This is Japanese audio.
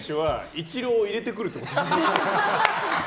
イチローを入れてくるってこと。